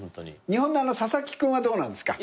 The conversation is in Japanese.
日本の佐々木君はどうなんですか？